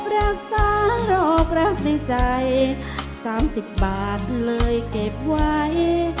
รักษารอบรักในใจสามสิบบาทเลยเก็บไว้